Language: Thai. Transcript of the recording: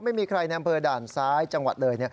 ไม่มีใครในอำเภอด่านซ้ายจังหวัดเลย